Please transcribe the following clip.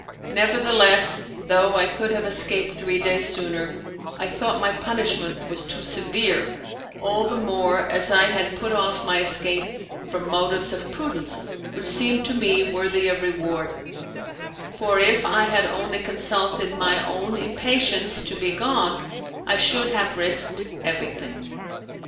Nevertheless, though I could have escaped three days sooner, I thought my punishment too severe, all the more as I had put off my escape from motives of prudence, which seemed to me worthy of reward, for if I had only consulted my own impatience to be gone I should have risked everything.